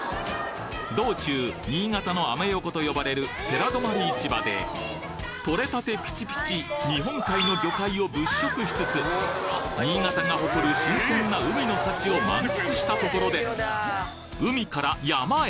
道中新潟のアメ横とよばれる寺泊市場でとれたてピチピチ日本海の魚介を物色しつつ新潟が誇る新鮮な海の幸を満喫したところで海から山へ。